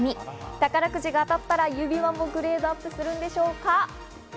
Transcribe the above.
宝くじが当たったら、指輪もグレードアップするんでしょうか？